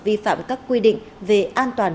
vi phạm các quy định về an toàn